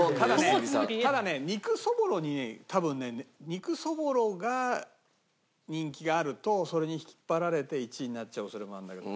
ただね肉そぼろに多分ね肉そぼろが人気があるとそれに引っ張られて１位になっちゃう恐れもあるんだけど。